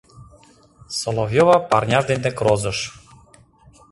Соловьёва парняж дене крозыш: